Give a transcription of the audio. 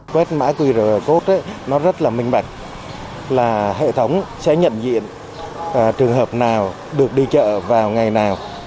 quét mã qr code nó rất là minh bạch là hệ thống sẽ nhận diện trường hợp nào được đi chợ vào ngày nào